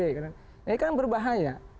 ini kan berbahaya